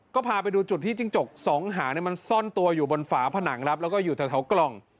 ก็พาไปดูจุดที่จิ้งจกสองหางมันซ่อนตัวอยู่บนฝาผนังครับแล้วก็อยู่แถวกล่อง